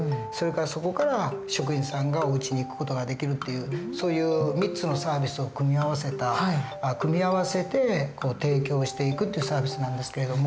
そこから職員さんがおうちに行く事ができるっていうそういう３つのサービスを組み合わせて提供していくっていうサービスなんですけれども。